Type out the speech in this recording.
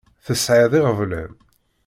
Tesεiḍ iɣeblan.